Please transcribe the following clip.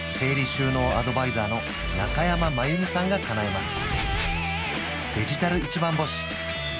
収納アドバイザーの中山真由美さんがかなえます